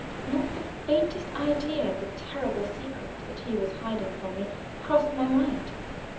Not the faintest idea of the terrible secret that he was hiding from me, crossed my mind.